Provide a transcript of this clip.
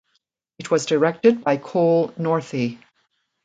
It was directed by Cole Northey.